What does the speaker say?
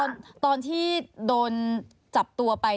ตอนที่โดนจับตัวไป